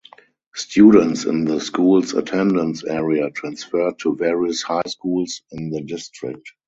Students in the school's attendance area transferred to various high schools in the district.